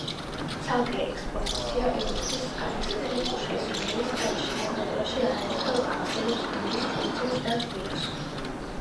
ცალკე ექსპოზიცია ეკუთვნის ალექსანდრე პუშკინს, რომელიც თავის შემოქმედებაში არაერთხელ ახსენებს დონის ყურძენს და ღვინოს.